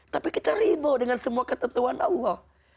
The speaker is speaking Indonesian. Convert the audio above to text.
tapi kita ridho dengan semua ketentuan allah